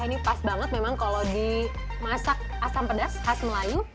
ini pas banget memang kalau dimasak asam pedas khas melayu